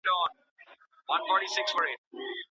قابلي پلاو بې غوښي نه پخېږي.